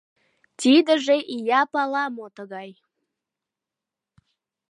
Тидыже, ия пала, мо тыгай!